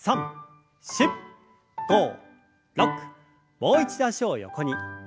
もう一度脚を横に。